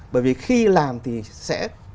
bởi vì khi làm thì sẽ